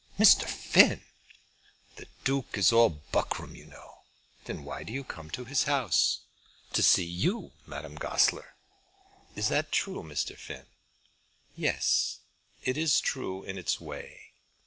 "Mr. Finn!" "The Duke is all buckram, you know." "Then why do you come to his house?" "To see you, Madame Goesler." "Is that true, Mr. Finn?" "Yes; it is true in its way.